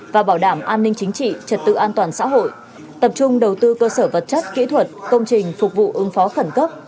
và bảo đảm an ninh chính trị trật tự an toàn xã hội tập trung đầu tư cơ sở vật chất kỹ thuật công trình phục vụ ứng phó khẩn cấp